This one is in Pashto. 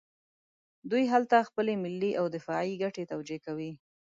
دوی هلته خپلې ملي او دفاعي ګټې توجیه کوي.